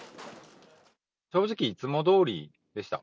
正直いつもどおりでした。